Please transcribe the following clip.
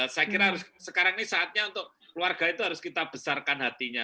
saya kira sekarang ini saatnya untuk keluarga itu harus kita besarkan hatinya